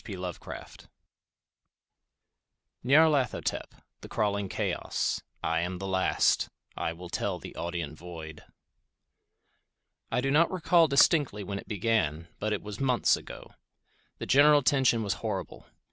P. Lovecraft Nyarlathotep ... the crawling chaos ... I am the last ... I will tell the audient void. ... I do not recall distinctly when it began, but it was months ago. The general tension was horrible.